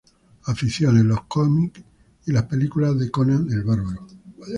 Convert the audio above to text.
Aficiones: Los cómics y las películas de Conan el Bárbaro.